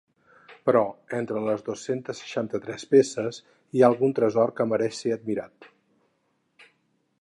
Però entre les dos-cents seixanta-tres peces hi ha algun tresor que mereix ser admirat.